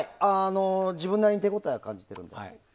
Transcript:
自分なりに手応えは感じています。